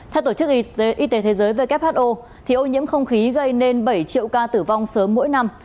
theo tổ chức y tế thế giới who ô nhiễm không khí gây nên bảy triệu ca tử vong sớm mỗi năm